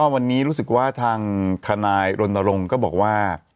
วันนี้รู้สึกว่าทางทนายรณรงค์ก็บอกว่า